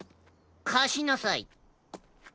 かしなさい。